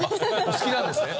お好きなんですね？